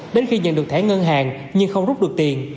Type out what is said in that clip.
đến khi nhận được thẻ ngân hàng nhưng không rút được tiền